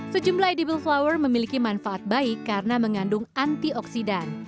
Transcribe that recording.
sejumlah edible flower memiliki manfaat baik karena mengandung antioksidan